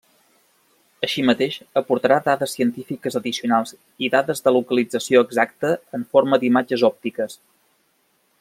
Així mateix, aportarà dades científiques addicionals i dades de localització exacta en forma d'imatges òptiques.